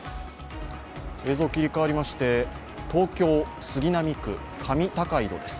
映像切り替わりまして、東京・杉並区上高井戸です。